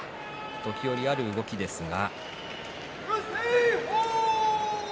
時折ある動きですが。